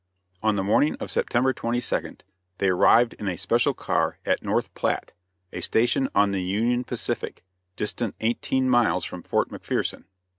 On the morning of September 22d they arrived in a special car at North Platte, a station on the Union Pacific, distant eighteen miles from Fort McPherson.